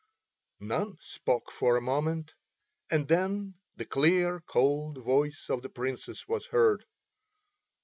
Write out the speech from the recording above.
None spoke for a moment, and then the clear, cold voice of the Princess was heard.